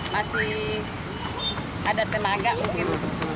masih ada tenaga mungkin